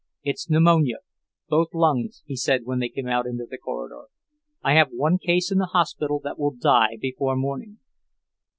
"It's pneumonia, both lungs," he said when they came out into the corridor. "I have one case in the hospital that will die before morning."